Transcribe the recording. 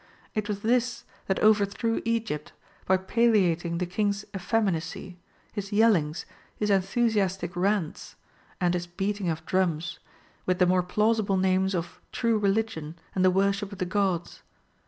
It was this that overthrew Egypt, by palliating the king's effeminacy, his veilings, his enthu siastic rants, and his beating of drums, with the more plausible names of true religion and the worship of the Gods.